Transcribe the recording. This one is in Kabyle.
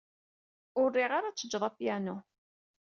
Ur riɣ ara ad tejjed apyanu.